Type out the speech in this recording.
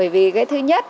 vì thứ nhất